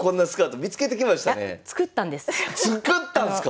作ったんです。